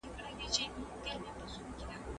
هغه وويل چي سينه سپين مهمه ده.